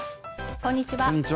こんにちは。